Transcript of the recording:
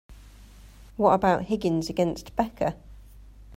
What about Higgins against Becca?